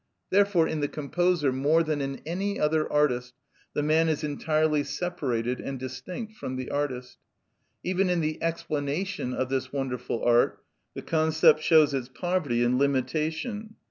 Therefore in the composer, more than in any other artist, the man is entirely separated and distinct from the artist. Even in the explanation of this wonderful art, the concept shows its poverty and limitation.